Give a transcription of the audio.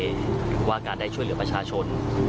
หรือว่าการได้ช่วยเหลือประชาชน